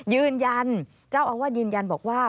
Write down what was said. ยืนยันเจ้าอาวาสยืนยันบอกว่า